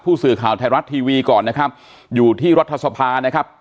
ผู้สื่อข่าวไทยรัดทีวีก่อนนะครับ